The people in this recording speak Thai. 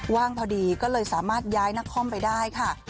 ว่างพอดีก็เลยสามารถย้ายนักคอมไปได้ค่ะ